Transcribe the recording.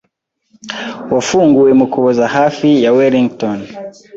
wafunguwe mu Kuboza hafi ya Wellington,